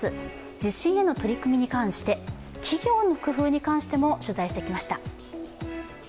地震への取り組みに関して企業の工夫に関しても取材してきました。